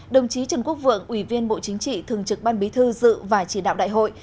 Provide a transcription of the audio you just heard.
đồng chí trần quốc vượng ủy viên bộ chính trị thường trực ban bí thư dự và chỉ đạo đại hội